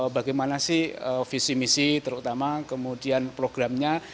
bagaimana sih visi misi terutama kemudian programnya